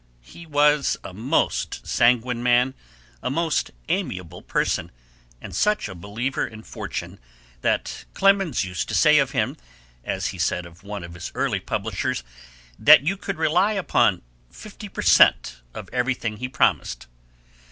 He was a most sanguine man, a most amiable person, and such a believer in fortune that Clemens used to say of him, as he said of one of his early publishers, that you could rely upon fifty per cent. of everything he promised.